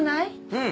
うん。